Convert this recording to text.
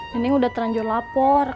nenek udah teranjur lapor